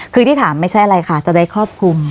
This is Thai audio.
คือที่ถามไม่ใช่อะไรค่ะจะได้ครอบคลุม